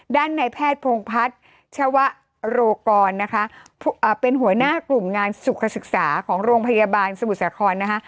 ด้านในแพทย์พงพัฒน์ชวะโรกรนะคะเป็นหัวหน้ากลุ่มงานสุขศึกษาของโรงพยาบาลสมุทรสาครนะคะ